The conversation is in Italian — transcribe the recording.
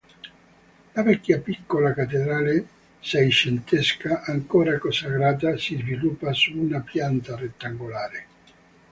La vecchia piccola cattedrale seicentesca, ancora consacrata, si sviluppa su una pianta rettangolare.